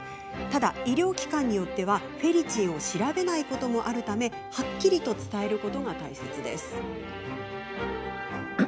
ただ、医療機関によってはフェリチンを調べないこともあるためはっきりと伝えることが大切です。